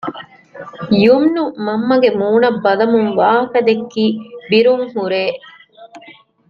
ޔުމްނު މަންމަގެ މޫނަށް ބަލަމުން ވާހަކަދެއްކީ ބިރުން ހުރޭ